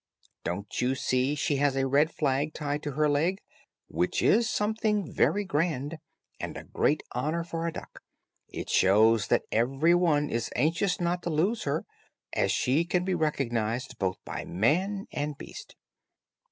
Don't you see she has a red flag tied to her leg, which is something very grand, and a great honor for a duck; it shows that every one is anxious not to lose her, as she can be recognized both by man and beast.